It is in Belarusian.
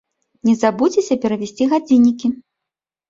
Не забудзьцеся перавесці гадзіннікі!